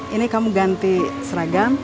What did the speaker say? ini kamu ganti seragam